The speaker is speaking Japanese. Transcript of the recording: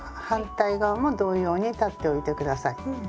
反対側も同様に裁っておいてください。